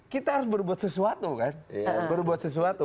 kita harus berbuat sesuatu kan